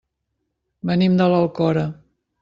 Venim de l'Alcora.